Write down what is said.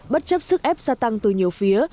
bất chấp sức ép gia tăng từ nhiều phía